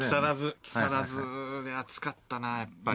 木更津暑かったなやっぱり。